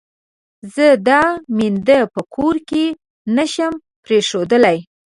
زه دا مينده په کور کې نه شم پرېښودلای.